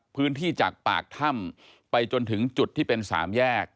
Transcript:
พื้นที่จากปากถ้ำไปจนถึงจุดที่เป็นสามแยก